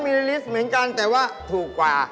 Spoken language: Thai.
๔๐๐มิลลิตรเหมือนกันแต่ว่าถูกกว่า